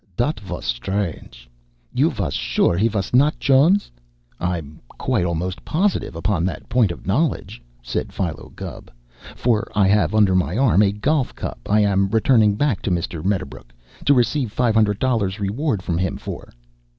"Dot vos stranche! You vos sure he vos not Chones?" "I'm quite almost positive upon that point of knowledge," said Philo Gubb, "for I have under my arm a golf cup I am returning back to Mr. Medderbrook to receive five hundred dollars reward from him for."